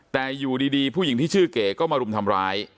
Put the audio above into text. แต่อยู่ดีผู้หญิงที่ชื่อเก๋ก็มารุมทำร้าย